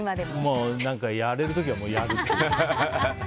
やれる時はやる。